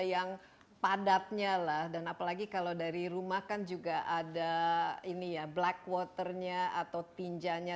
yang padatnya lah dan apalagi kalau dari rumah kan juga ada ini ya black waternya atau tinjanya